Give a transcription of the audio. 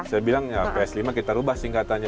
saya bilang ya ps lima kita ubah singkatannya